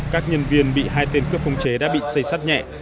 các nhân viên bị hai tên cướp khống chế đã bị xây sắt nhẹ